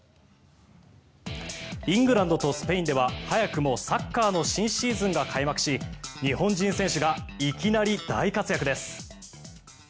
イングランドとスペインでは早くもサッカーの新シーズンが開幕し日本人選手がいきなり大活躍です。